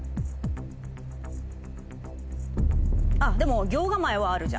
あっでも。